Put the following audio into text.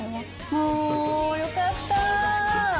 おー、よかった。